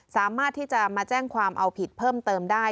สามารถที่จะมาแจ้งความเอาผิดเพิ่มเติมได้